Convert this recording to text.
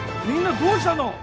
みんなどうしたの？